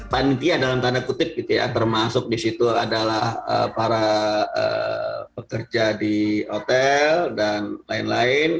panitia dalam tanda kutip gitu ya termasuk di situ adalah para pekerja di hotel dan lain lain